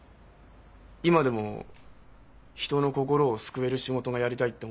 今でも「人の心を救える仕事がやりたい」って思ってる？